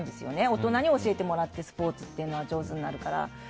大人に教えてもらってスポーツというのは上手になるから。